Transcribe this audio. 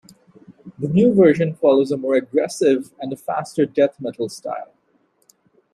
The new version follows a more aggressive and a faster death metal style.